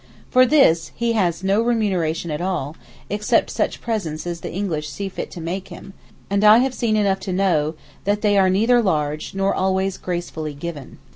For this he has no remuneration at all, except such presents as the English see fit to make him, and I have seen enough to know that they are neither large nor always gracefully given.